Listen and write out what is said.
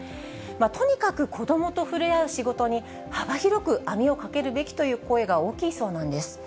とにかく子どもと触れ合う仕事に幅広く網をかけるべきという声が大きいそうなんです。